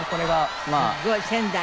すごい仙台で。